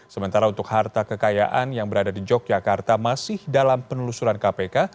sementara untuk harta kekayaan yang berada di yogyakarta masih dalam penelusuran kpk